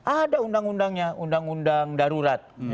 ada undang undangnya undang undang darurat